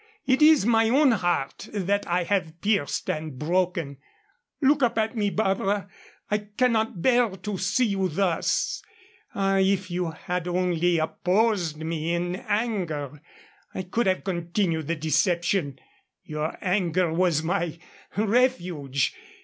it is my own heart that I have pierced and broken. Look up at me, Barbara. I cannot bear to see you thus. Ah, if you had only opposed me in anger, I could have continued the deception. Your anger was my refuge.